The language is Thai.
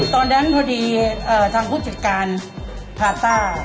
ตอนนั้นพอดีทางผู้จัดการพาต้า